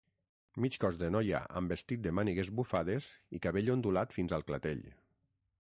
Mig cos de noia amb vestit de mànigues bufades i cabell ondulat fins al clatell.